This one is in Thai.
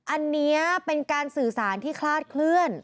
อันนี้เป็นการสื่อสารที่คลาดเคลื่อน